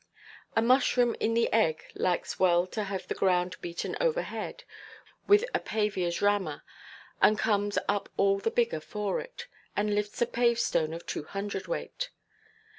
A mushroom in the egg likes well to have the ground beaten overhead with a paviourʼs rammer, and comes up all the bigger for it, and lifts a pave–stone of two hundred–weight.